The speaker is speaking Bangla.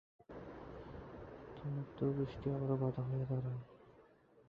কিন্তু বৃষ্টি আবারো বাঁধা হয়ে দাঁড়ায়।